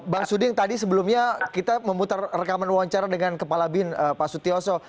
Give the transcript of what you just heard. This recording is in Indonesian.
bang suding tadi sebelumnya kita memutar rekaman wawancara dengan kepala bin pak sutioso